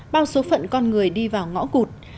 bao số phận con người đi vào ngõ cụt